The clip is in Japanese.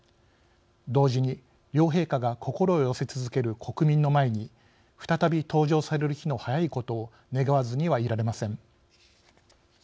同時に、両陛下が心を寄せ続ける国民の前に再び登場される日の早いことを願わずにはいられません。